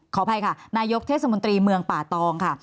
ขออภัยค่ะนายกเทศมนตรีเมืองป่าตองค่ะ